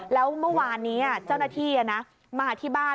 แล้วเมื่อวานนี้เจ้าหน้าที่มาที่บ้าน